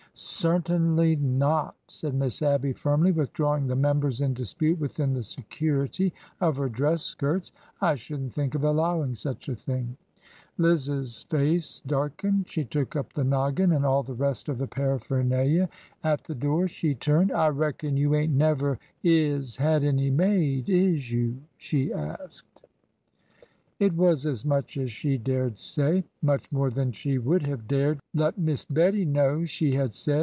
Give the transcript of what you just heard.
'' Certainly not !" said Miss Abby, firmly, withdrawing the members in dispute within the security of her dress skirts. I should n't think of allowing such a thing !" Liz's face darkened. She took up the noggin and all the rest of the paraphernalia. At the door she turned. I reckon you ain't never is had any maid, is you ?" she asked. 28 ORDER NO. 11 It was as much as she dared say — much more than she would have dared let Miss Bettie know she had said.